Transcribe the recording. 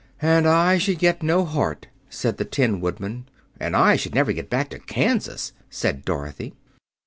"And I should get no heart," said the Tin Woodman. "And I should never get back to Kansas," said Dorothy.